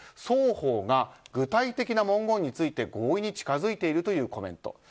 双方が具体的な文言について合意に近づいているというコメント。